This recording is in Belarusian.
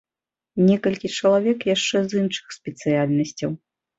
Некалькі чалавек яшчэ з іншых спецыяльнасцяў.